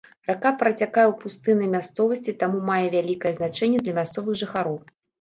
Рака працякае ў пустыннай мясцовасці, таму мае вялікае значэнне для мясцовых жыхароў.